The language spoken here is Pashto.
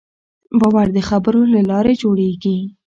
باور د خبرو له لارې جوړېږي.